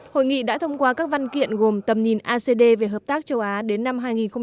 hội nghị đã thông qua các văn kiện gồm tầm nhìn acd về hợp tác châu á đến năm hai nghìn ba mươi